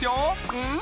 うん！